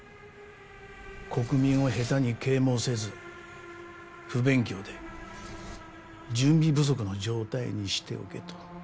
国民を下手に啓蒙せず不勉強で準備不足の状態にしておけと。